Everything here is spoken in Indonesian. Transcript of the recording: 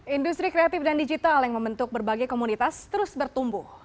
industri kreatif dan digital yang membentuk berbagai komunitas terus bertumbuh